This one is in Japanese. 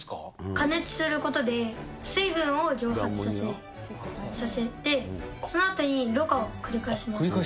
加熱することで、水分を蒸発させて、そのあとにろ過を繰り返します。